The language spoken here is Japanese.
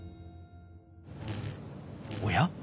おや？